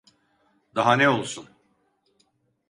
Daha ne olsun?